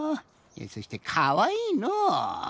そしてかわいいのう。